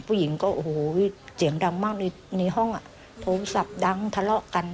ผู้หญิงก็โอ้โหเสียงดังมากในห้องอ่ะโทรศัพท์ดังทะเลาะกัน